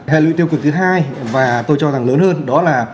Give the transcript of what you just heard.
hệ lụy tiêu cực thứ hai và tôi cho rằng lớn hơn đó là